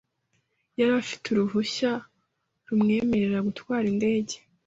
yari afite uruhushya rumwemerera gutwara indege.